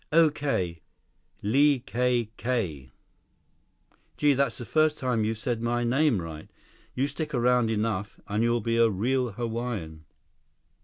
"Okay, Li ka kay." "Gee, that's the first time you've said my name right. You stick around long enough, and you'll be a real Hawaiian!"